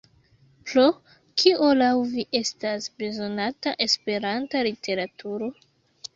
Por kio laŭ vi estas bezonata Esperanta literaturo?